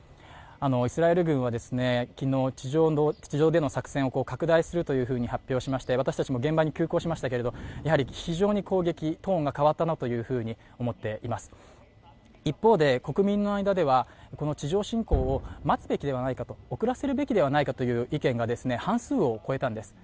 イスラエル軍は昨日、地上での作戦を拡大するというふうに発表しまして、私たちも現場に急行しましたけど、非常に攻撃トーンが変わったなというふうに思っています一方で、国民の間では、地上侵攻を待つべきではないか、遅らせるべきではないかという意見が半数を超えたんです。